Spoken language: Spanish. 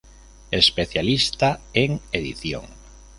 Especialista en edición.